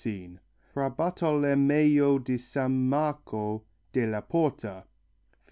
Fra Bartolommeo di San Marco (Della Porta). 15.